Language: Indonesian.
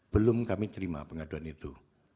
belum kami terima pengaduan itu